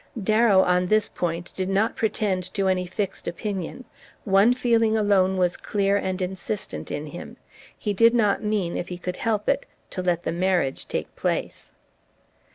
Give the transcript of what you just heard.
Darrow, on this point, did not pretend to any fixed opinion; one feeling alone was clear and insistent in him: he did not mean, if he could help it, to let the marriage take place.